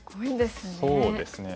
そうですね。